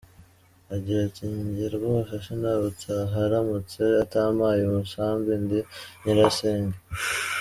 Agira ati “Njye rwose sinabutaha aramutse atampaye umusambi ndi nyirasenge.